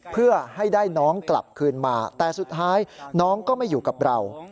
เพื่อให้ได้น้องกลับคืนมาแต่สุดท้ายน้องก็ไม่อยู่กับเรา